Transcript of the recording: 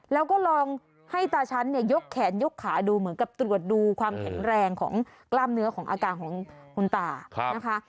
แล้วก็ลองให้ตาฉันเนี่ยยกแขนยกขาดูเหมือนกับตรวจดูความแข็งแรงของกล้ามเนื้อของอาการของคุณตานะคะ